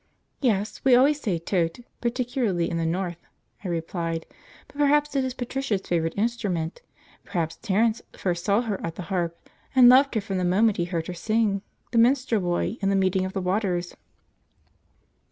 "Yes, we always say 'tote,' particularly in the North," I replied; "but perhaps it is Patricia's favourite instrument. Perhaps Terence first saw her at the harp, and loved her from the moment he heard her sing the 'Minstrel Boy' and the 'Meeting of the Waters.'"